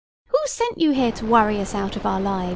Who sent you here to worry us out of our lives?"